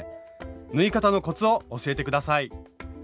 縫い方のコツを教えて下さい。